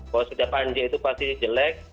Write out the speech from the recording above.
kalau sudah anjay itu pasti jelek